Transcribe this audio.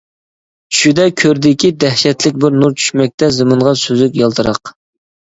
چۈشىدە كۆردىكى دەھشەتلىك بىر نۇر چۈشمەكتە زېمىنغا سۈزۈك يالتىراق.